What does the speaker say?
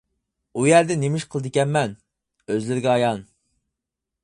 ئۇ يەردە نېمە ئىش قىلىدىكەنمەن؟ -ئۆزلىرىگە ئايان.